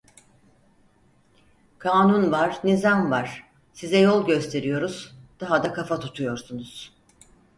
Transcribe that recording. Kanun var, nizam var, size yol gösteriyoruz, daha da kafa tutuyorsunuz.